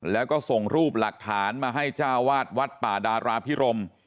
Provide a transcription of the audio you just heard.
แล้วก็ส่งรูปหลักฐานมาให้เจ้าวาดวัดป่าดาราพิรม